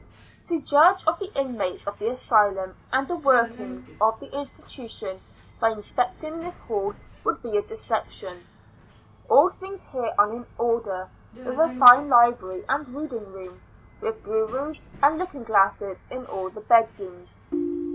To judge of the inmates of the asylum, and the workings of the institution by in sp<»cting this hall, would be a deception. All things here are in order, with a fine library and reading room, with bureaus and looking glasses in all the bed rooms.